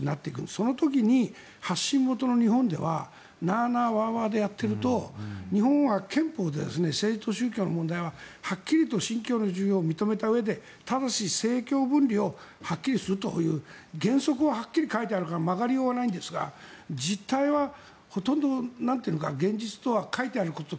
その時に、発信元の日本ではなあなあ、わーわーでやってると日本は憲法で政治と宗教の問題ははっきりと信教の自由を認めたうえでただし政教分離をはっきりするという原則ははっきり書いてあるから曲がりようがないんですが実態はほとんど現実とは、書いてあること